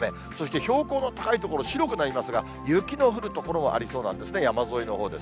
標高の高い所、白くなりますが、雪の降る所もありそうなんですね、山沿いのほうです。